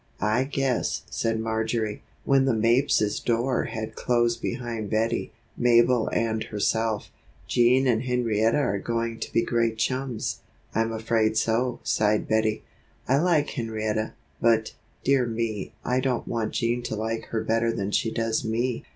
"I guess," said Marjory, when the Mapes's door had closed behind Bettie, Mabel and herself, "Jean and Henrietta are going to be great chums." "I'm afraid so," sighed Bettie. "I like Henrietta; but, dear me, I don't want Jean to like her better than she does me."